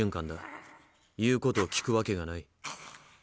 言うことを聞くわけがない。